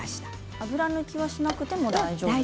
油抜きはしなくてもいいんですね。